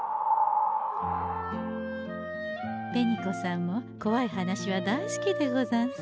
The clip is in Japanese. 紅子さんもこわい話は大好きでござんす。